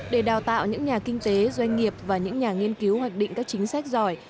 để đào tạo những nhà kinh tế doanh nghiệp và những nhà nghiên cứu hoạch định các chính sách giỏi